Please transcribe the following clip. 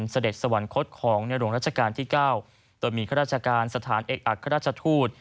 เสด็จสวรรคตของในหลวงราชการที่๙โดยมีข้าราชการสถานเอกอัครราชทูต